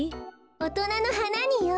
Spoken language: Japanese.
おとなのはなによ。